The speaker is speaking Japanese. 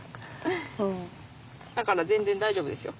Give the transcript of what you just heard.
だから全然大丈夫ですよ。